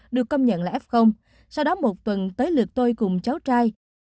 được công nhận là f sau đó một tuần tới lượt tôi cùng cháu trai